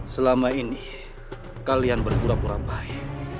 selama ini kalian bergurau gurau baik